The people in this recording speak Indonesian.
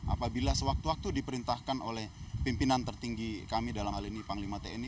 apabila sewaktu waktu diperintahkan oleh pimpinan tertinggi kami dalam hal ini panglima tni